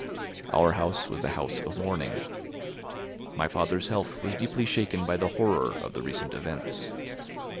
Our house was the house of mourning. My father's health was deeply shaken by the horror of the recent events.